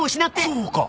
そうか！